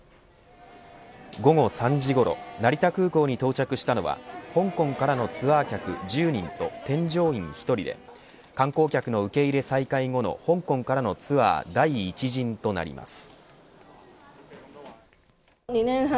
午後３時ごろ成田空港に到着したのは香港からのツアー客１０人と添乗員１人で観光客の受け入れ再開後の香港からのツアー第１陣となります。